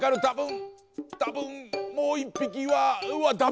たぶんもう１ぴきはうわっダメだ。